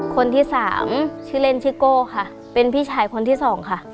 คนที่สามชื่อเล่นชื่อโก้ค่ะเป็นพี่ชายคนที่สองค่ะ